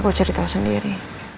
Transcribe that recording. aku cerita sendiri